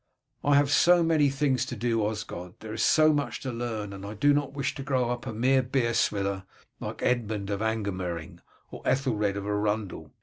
"I have so many things to do, Osgod; there is so much to learn, and I do not wish to grow up a mere beer swiller like Edmund of Angmering or Ethelred of Arundel.